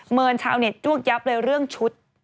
ชาวเน็ตจ้วกยับเลยเรื่องชุด